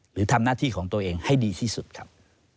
หรือทำหน้าที่ของตัวเองให้ดีที่สุดครับ